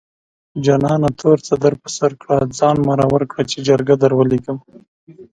جانانه تور څادر په سر کړه ځان مرور کړه چې جرګه دروليږمه